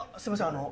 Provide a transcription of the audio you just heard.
あの。